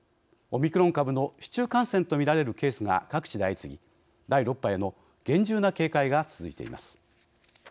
オミクロン株の市中感染とみられるケースが各地で相次ぎ、第６波への厳重な警戒が続いています。